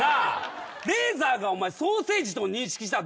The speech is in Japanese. レーザーがお前ソーセージと認識したらどうすんの？